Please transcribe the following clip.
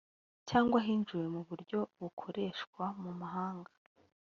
Cyangwa hinjiwe mu buryo bukoreshwa mu mahanga